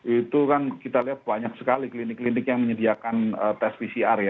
itu kan kita lihat banyak sekali klinik klinik yang menyediakan tes pcr ya